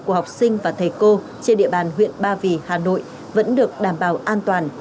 của học sinh và thầy cô trên địa bàn huyện ba vì hà nội vẫn được đảm bảo an toàn